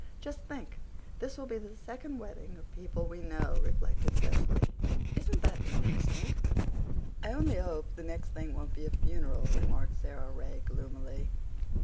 "Just think, this will be the second wedding of people we know," reflected Cecily. "Isn't that interesting?" "I only hope the next thing won't be a funeral," remarked Sara Ray gloomily.